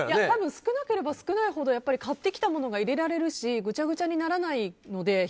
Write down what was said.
少なければ少ないほど買ってきたものが入れられるしぐちゃぐちゃにならないので。